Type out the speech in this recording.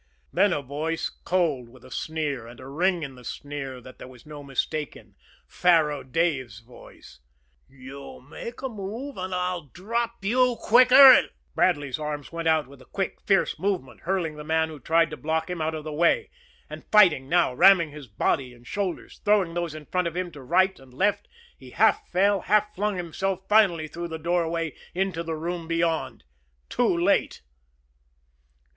Then a voice, cold, with a sneer, and a ring in the sneer that there was no mistaking Faro Dave's voice: "You make a move, and I'll drop you quicker'n " Bradley's arms swept out with a quick, fierce movement, hurling the man who tried to block him out of the way; and, fighting now, ramming with body and shoulders, throwing those in front of him to right and left, he half fell, half flung himself finally through the doorway into the room beyond too late.